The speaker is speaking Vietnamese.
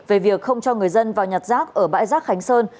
về việc không cho người dân vào nhặt rác ở bãi rác khánh sơn